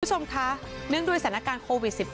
คุณผู้ชมคะเนื่องด้วยสถานการณ์โควิด๑๙